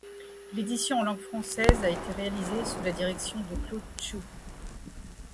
L'édition en langue française a été réalisée sous la direction de Claude Tchou.